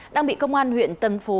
đang bị công an huyện